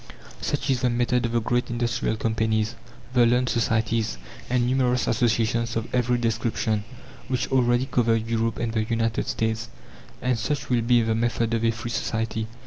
Such is the method of the great industrial companies, the learned societies, and numerous associations of every description, which already cover Europe and the United States. And such will be the method of a free society.